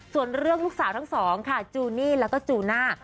ส่วนเรื่องลูกสาวทั้งสองค่ะจูนี่แล้วก็จูน่า